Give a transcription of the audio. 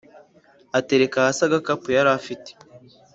atereka hasi agakapu yarafite